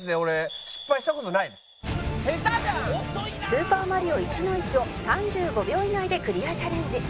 『スーパーマリオ』１−１ を３５秒以内でクリアチャレンジ